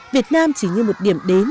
việt nam chỉ như một điểm đến